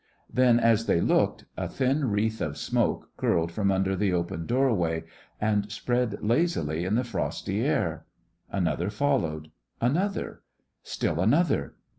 Then as they looked, a thin wreath of smoke curled from under the open doorway and spread lazily in the frosty air. Another followed; another; still another.